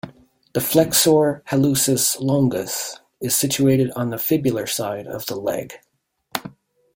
The Flexor hallucis longus is situated on the fibular side of the leg.